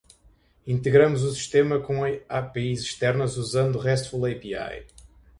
Integramos o sistema com APIs externas usando RESTful API.